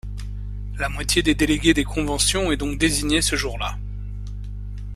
La moitié des délégués des conventions est donc désignée ce jour-là.